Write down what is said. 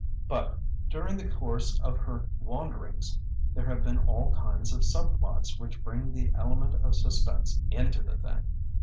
But during the course of her wanderings, there have been all kinds of sub plots which bring the element of suspense into the thing.